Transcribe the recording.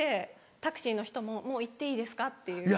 タクシーの人も「もう行っていいですか？」っていう。